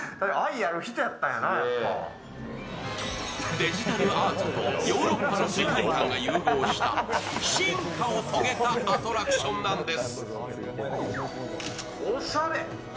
デジタルアートとヨーロッパの世界観が融合した進化を遂げたアトラクションなんです。